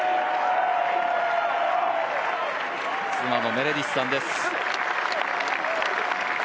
妻のメレディスさんです。